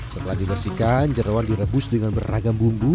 setelah dibersihkan jerawan direbus dengan beragam bumbu